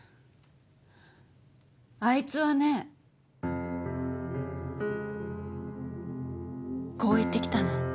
あいつはねこう言ってきたの。